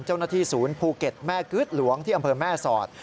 เจ้าหน้าที่ศูนย์ภูเก็ตแม่กึ๊ดหลวงที่อำเภอแม่สอด